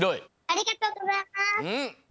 ありがとうございます！